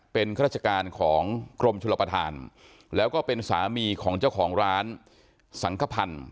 เป็นข้าราชการของกรมชลประธานแล้วก็เป็นสามีของเจ้าของร้านสังขพันธ์